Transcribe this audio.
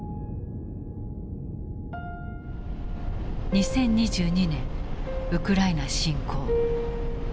２０２２年ウクライナ侵攻。